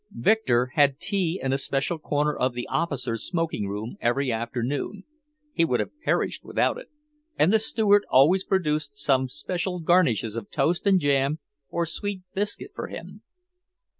Victor had tea in a special corner of the officers' smoking room every afternoon he would have perished without it and the steward always produced some special garnishes of toast and jam or sweet biscuit for him.